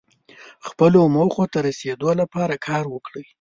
خپلو موخو ته رسیدو لپاره کار وکړئ.